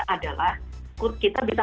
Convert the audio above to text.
adalah kita bisa